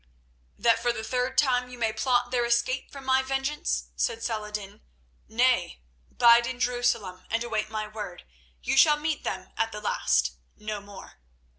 "That for the third time you may plot their escape from my vengeance?" said Saladin. "Nay, bide in Jerusalem and await my word; you shall meet them at the last, no more."